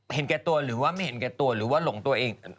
เห็นแก่ตัวหรือว่าไม่เห็นแก่ตัวหรือว่าหลงตัวเอง